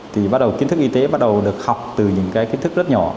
thì bắt đầu kiến thức y tế bắt đầu được học từ những cái kiến thức rất nhỏ